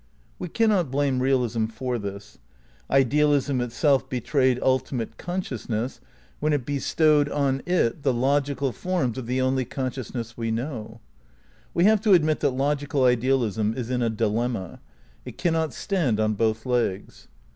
We cannot blame realism for this. Idealism itself betrayed ultimate consciousness when it bestowed on 270 THE NEW IDEALISM viii it tfie logical forms of the only consciousness we know. "We have to admit that logical idealism is in a dilemma. It cannot stand on both legs.